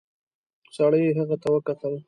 سړي هغې ته وکتل.